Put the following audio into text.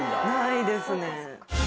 ないですね。